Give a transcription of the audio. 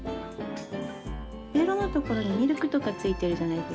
ベロの所にミルクとか付いてるじゃないですか。